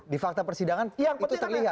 di fakta persidangan itu terlihat